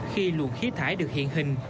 khi luồng khí thải được hiện hình